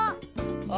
あ！